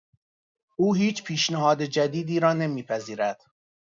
او هیچ پیشنهاد جدیدی را نمیپذیرد.